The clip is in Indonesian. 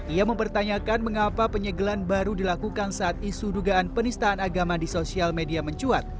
ia mempertanyakan mengapa penyegelan baru dilakukan saat isu dugaan penistaan agama di sosial media mencuat